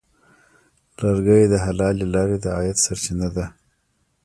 لرګی د حلالې لارې د عاید سرچینه ده.